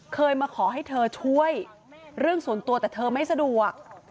เคยมาขอให้เธอช่วยเรื่องส่วนตัวแต่เธอไม่สะดวก